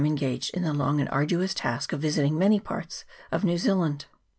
engaged in the long and arduous task of visiting many parts of New Zealand.